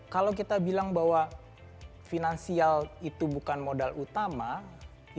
kalau kita bilang bahwa finansial itu berjalan beriringan kita harus memperhatikan bahwa finansial ini juga harus beriringan dengan inovasi